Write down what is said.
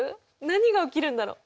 何が起きるんだろう。